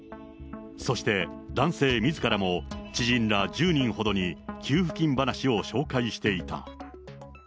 そして、男性みずからも知人ら１０人ほどに給付金話を紹介していた。